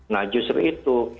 nah justru itu